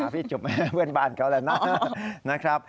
พี่จุ๋มเพื่อนบ้านเขาแหละนะ